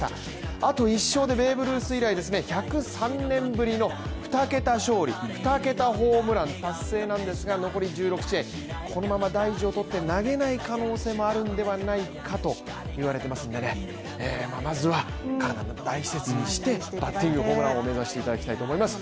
あと１勝でベーブ・ルース以来１０３年ぶりの２桁勝利、２桁ホームラン達成なんですが残り１６試合、このまま大事を取って投げない可能性もあると言われていますのでまずは、体を大事にしてバッティングホームランを目指していただきたいと思います。